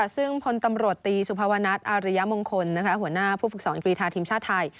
ซึ่งพลตำรวจตีสุภาวนัทอาริยมงคลหัวหน้าผู้ฝึกสอนกรีธาทีมชาติไทย